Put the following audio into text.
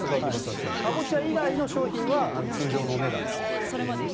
カボチャ以外の商品は通常のお値段だそうですけど。